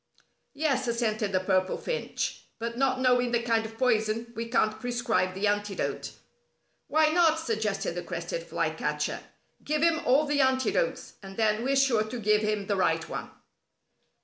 "Yes," assented the Purple Finch, "but not knowing the kind of poison, we can't prescribe the antidote." "Why not," suggested the Crested Flycatcher, "give him all the antidotes, and then we're sure to give him the right one."